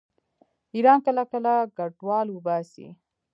ایران کله کله کډوال وباسي.